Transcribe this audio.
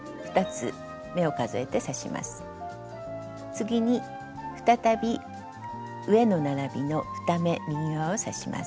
次に再び上の並びの２目右側を刺します。